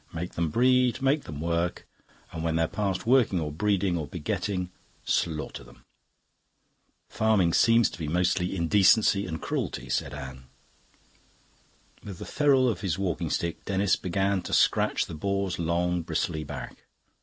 Make them breed, make them work, and when they're past working or breeding or begetting, slaughter them." "Farming seems to be mostly indecency and cruelty," said Anne. With the ferrule of his walking stick Denis began to scratch the boar's long bristly back.